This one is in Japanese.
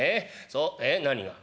そうえ何が？